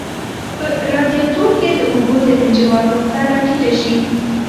په رادیاتور کې د اوبو د انجماد نقطه را ټیټه شي.